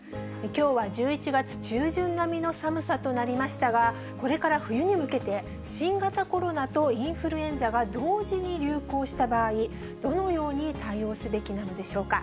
きょうは１１月中旬並みの寒さとなりましたが、これから冬に向けて、新型コロナとインフルエンザが同時に流行した場合、どのように対応すべきなのでしょうか。